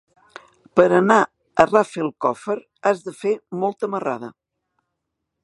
Per anar a Rafelcofer has de fer molta marrada.